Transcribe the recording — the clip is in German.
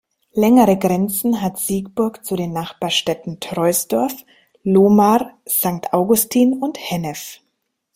Längere Grenzen hat Siegburg zu den Nachbarstädten Troisdorf, Lohmar, Sankt Augustin und Hennef.